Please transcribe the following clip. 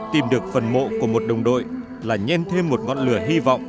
tìm được phần mộ của một đồng đội là nhen thêm một ngọn lửa hy vọng